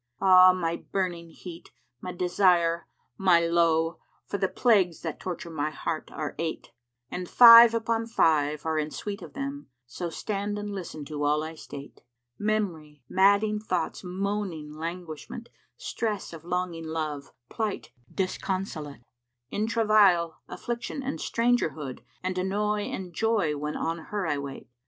Ah my burning heat, my desire, my lowe! * For the plagues that torture my heart are eight; And five upon five are in suite of them; * So stand and listen to all I state: Mem'ry, madding thoughts, moaning languishment, * Stress of longing love, plight disconsolate; In travail, affliction and strangerhood, * And annoy and joy when on her I wait.